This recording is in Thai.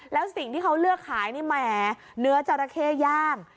แล้วสิ่งที่เขาเลือกขายนี่แหมเนื้อจราเข้ย่าง